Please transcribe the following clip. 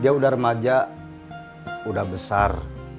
dia udah remaja udah besar